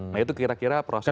nah itu kira kira proses